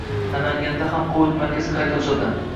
Namanganda ham kovid-markaz qayta ochildi